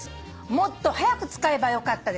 もっと早く使えばよかったです」